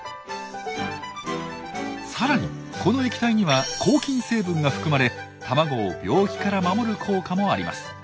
さらにこの液体には抗菌成分が含まれ卵を病気から守る効果もあります。